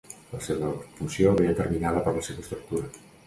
La seva funció ve determinada per la seva estructura.